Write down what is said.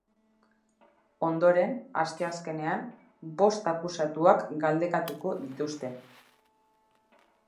Ondoren, asteazkenean, bost akusatuak galdekatuko dituzte.